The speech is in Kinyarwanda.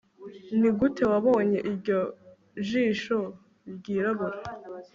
nigute wabonye iryo jisho ryirabura